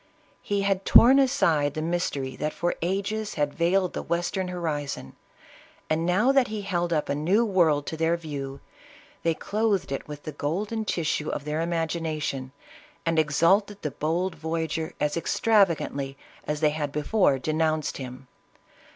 He had torn aside the mystery that for ages had veiled the western horizon, and now that he held up a new world to their view, they clothed it with the golden tissue of their imagination, and exalted the bold voyager as extravagantly as they had before denounced him.